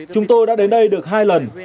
chúng tôi đã đến đây được hai lần